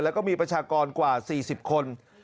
แล้วก็มีประชากรกว่า๔๐คน